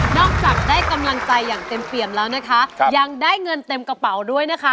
จากได้กำลังใจอย่างเต็มเปี่ยมแล้วนะคะยังได้เงินเต็มกระเป๋าด้วยนะคะ